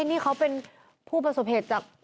นี่เขาเป็นผู้ประสบเหตุจาก